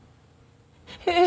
えっ？